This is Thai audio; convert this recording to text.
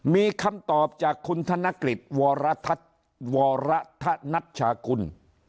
มีคำตอบจากคุณธนกฤษวรษชาคุณ